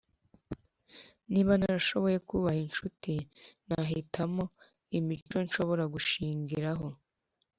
niba narashoboye kubaka inshuti, nahitamo imico nshobora gushingiraho.